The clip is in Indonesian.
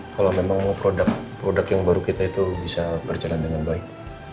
kalau memang mau produk produk yang baru kita itu bisa berjalan dengan baik